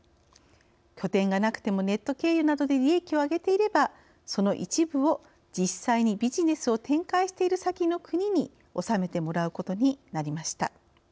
拠点がなくてもネット経由などで利益を上げていればその一部を実際にビジネスを展開している先の国に納めてもらうことになりました。